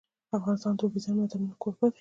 افغانستان د اوبزین معدنونه کوربه دی.